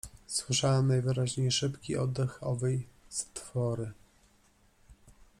Słyszałem najwyraźniej szybki oddech owej stwory.